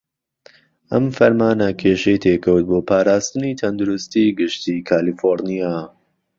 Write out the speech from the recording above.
ئەم فەرمانە کێشەی تێکەوت بۆ پاراستنی تەندروستی گشتی کالیفۆڕنیا.